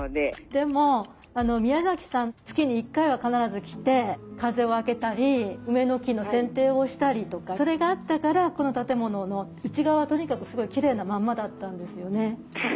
でもあの宮さん月に１回は必ず来て風を開けたり梅の木のせんていをしたりとかそれがあったからこの建物の内側はとにかくすごいきれいなまんまだったんですよね。